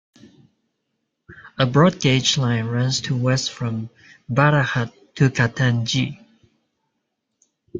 A Broad gauge line runs to west from Balaghat to Katangi.